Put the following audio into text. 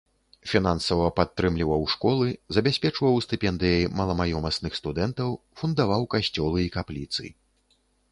Фінансава падтрымліваў школы, забяспечваў стыпендыяй маламаёмасных студэнтаў, фундаваў касцёлы і капліцы.